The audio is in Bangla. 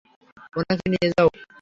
ওনাকে নিয়ে যাও।